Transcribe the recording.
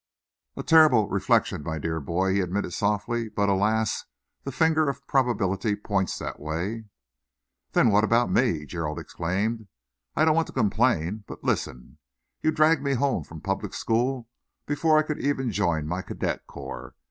"A terrible reflection, my dear boy," he admitted softly, "but, alas! the finger of probability points that way." "Then what about me?" Gerald exclaimed. "I don't want to complain, but listen. You dragged me home from a public school before I could even join my cadet corps.